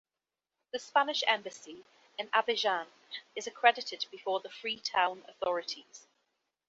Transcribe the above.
The Spanish Embassy in Abidjan is accredited before the Freetown authorities.